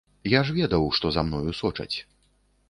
Я ж ведаў, што за мною сочаць.